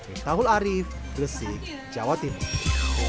intahul arief gresik jawa timur